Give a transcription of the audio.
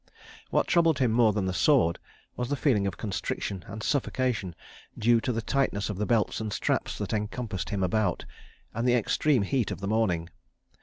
What troubled him more than the sword was the feeling of constriction and suffocation due to the tightness of the belts and straps that encompassed him about, and the extreme heat of the morning.